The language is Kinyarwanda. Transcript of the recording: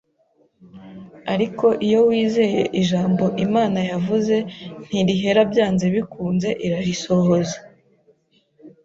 ariko iyo wizeye ijambo Imana yavuze ntirihera byanze bikunze irarisohoza.